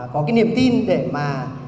có cái niềm tin để mà